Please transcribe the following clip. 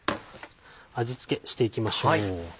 味付けしていきましょう。